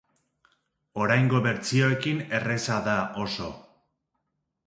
Oraingo bertsioekin erraza da, oso.